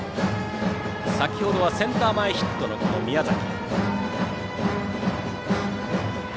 先ほどはセンター前ヒットの宮崎。